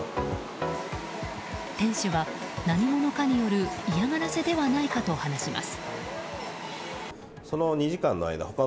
店主は何者かによる嫌がらせではないかと話します。